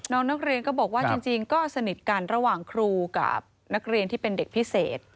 น้องนักเรียนก็บอกว่าจริงก็สนิทกันระหว่างครูกับนักเรียนที่เป็นเด็กพิเศษ